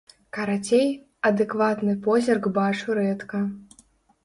Карацей, адэкватны позірк бачу рэдка.